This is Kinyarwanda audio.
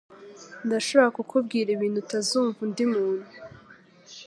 Ndashobora kukubwira ibintu utazumva undi muntu